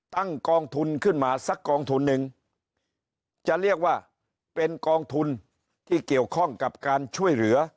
กองทุนขึ้นมาสักกองทุนนึงจะเรียกว่าเป็นกองทุนที่เกี่ยวข้องกับการช่วยเหลือ